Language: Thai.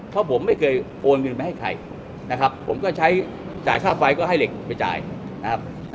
เพราะผมไม่เคยโอนเงินไปให้ใครนะครับผมก็ใช้จ่ายค่าไฟก็ให้เหล็กไปจ่ายนะครับ